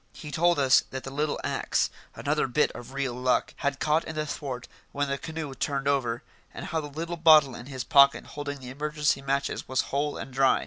He told us that the little axe another bit of real luck had caught in the thwart when the canoe turned over, and how the little bottle in his pocket holding the emergency matches was whole and dry.